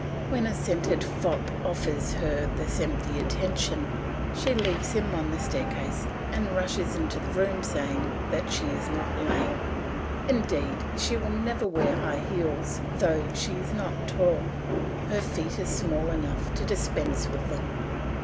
When a scented fop offers her this empty attention, she leaves him on the staircase and rushes into the room saying that she is not lame. Indeed, she will never wear high heels though she is not tall; her feet are small enough to dispense with them.